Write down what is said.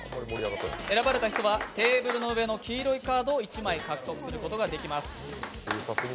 選ばれた人はテーブルの上の黄色いカードを１枚獲得することができます。